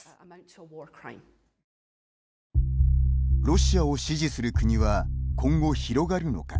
ロシアを支持する国は今後、広がるのか。